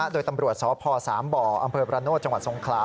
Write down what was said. โดยตำรวจสพ๓บอประโนธจังหวัดทรงคลา